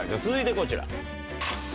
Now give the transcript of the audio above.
続いてこちら。